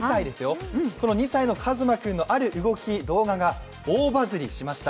この２歳のカズマ君のある動き、動画が大バズりしました。